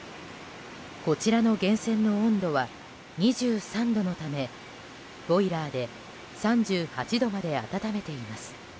こちらの源泉の温度は２３度のためボイラーで３８度まで温めています。